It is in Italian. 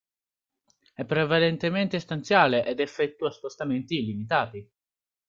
È prevalentemente stanziale ed effettua spostamenti limitati.